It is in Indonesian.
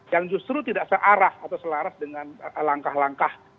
yang justru tidak searah atau selaras dengan langkah langkah